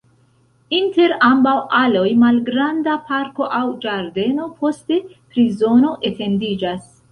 Inter ambaŭ aloj malgranda parko aŭ ĝardeno, poste prizono etendiĝas.